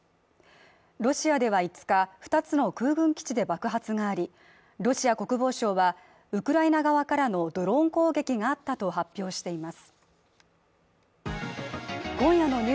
ロシアでは５日２つの空軍基地で爆発がありロシア国防省はウクライナ側からのドローン攻撃があったと発表しています